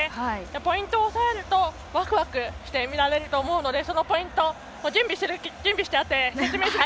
ポイントを押さえるとワクワクして見られると思うのでそのポイント準備してあって説明するき